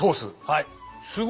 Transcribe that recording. はい！